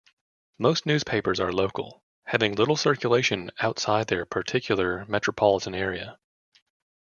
Most newspapers are local, having little circulation outside their particular metropolitan area.